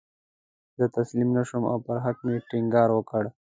زه تسلیم نه شوم او پر حق مې ټینګار وکړ.